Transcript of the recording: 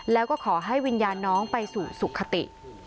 แล้วก็ขอให้วิญญาณน้องไปสู่สุขติ